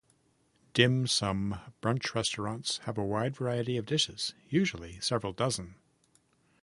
Dim sum brunch restaurants have a wide variety of dishes, usually several dozen.